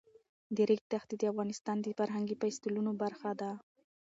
د ریګ دښتې د افغانستان د فرهنګي فستیوالونو برخه ده.